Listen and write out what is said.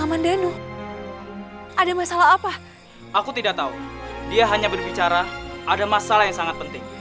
ada masalah apa aku tidak tahu dia hanya berbicara ada masalah yang sangat penting